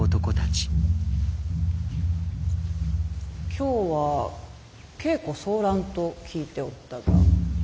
今日は稽古総覧と聞いておったが。